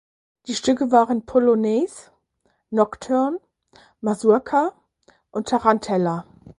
Die Stücke waren Polonaise, Nocturne, Mazurka und Tarantella.